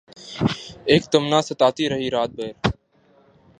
اک تمنا ستاتی رہی رات بھر